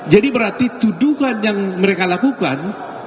jadi berarti tuduhan yang mereka lakukan